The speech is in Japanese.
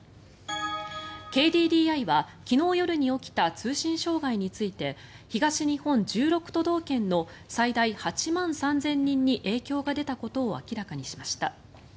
ＫＤＤＩは昨日夜に起きた通信障害について東日本１６都道県の最大８万３０００人に影響が出たことを明らかにしました。